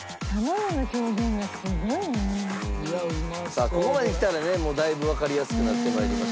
さあここまで来たらねもうだいぶわかりやすくなって参りましたけれども。